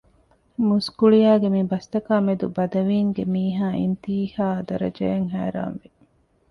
މުސްކުޅިޔާގެ މި ބަސްތަކާއި މެދު ބަދަވީންގެ މީހާ އިންތީހާ ދަރަޖައަށް ހައިރާންވި